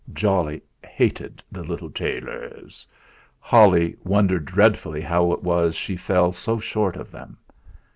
Jolly hated the little Tayleurs; Holly wondered dreadfully how it was she fell so short of them.